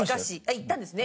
行ったんですね。